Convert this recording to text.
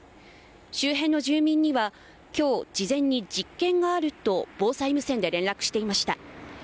周辺の住民には今日、事前に実験があると防災無線で連絡していました。